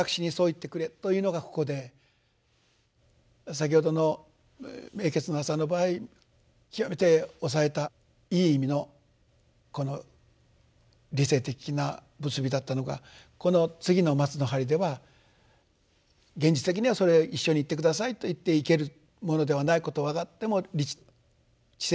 先ほどの「永訣の朝」の場合極めて抑えたいい意味のこの理性的な結びだったのがこの次の「松の針」では現実的にはそれ一緒に行って下さいと言って行けるものではないことは分かっても知性的には。